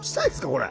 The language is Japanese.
これ。